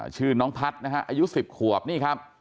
ชื่อน้องพัฒน์นะฮะอายุ๑๐ขวบนี่ครับ